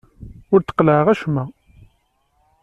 Ur d-qellɛeɣ acemma.